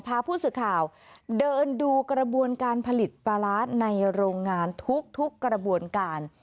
พาผู้สื่อข่าวเดินดูกระบวนการผลิตปลาร้าในโรงงานทุกกระบวนการ